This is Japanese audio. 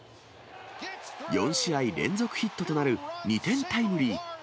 ４試合連続ヒットとなる２点タイムリー。